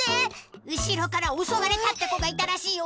うしろからおそわれたってこがいたらしいよ。